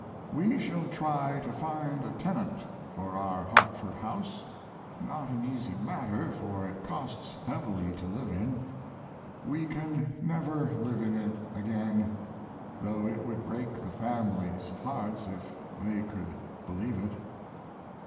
] We shall try to find a tenant for our Hartford house; not an easy matter, for it costs heavily to live in. We can never live in it again; though it would break the family's hearts if they could believe it.